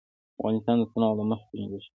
افغانستان د تنوع له مخې پېژندل کېږي.